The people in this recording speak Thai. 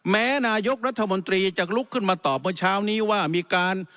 แม้นายกรัฐมนตรีจะลุกขึ้นมาตอบเมื่อเช้านี้ว่ามีการ